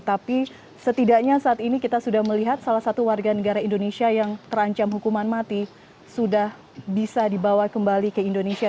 tapi setidaknya saat ini kita sudah melihat salah satu warga negara indonesia yang terancam hukuman mati sudah bisa dibawa kembali ke indonesia